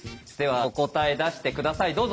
ではお答え出して下さい。